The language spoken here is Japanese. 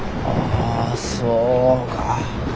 あぁそうか。